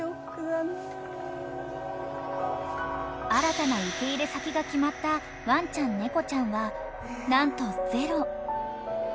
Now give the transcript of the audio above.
［新たな受け入れ先が決まったワンちゃん猫ちゃんは何とゼロ］